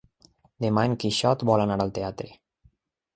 Demà en Quixot vol anar al teatre.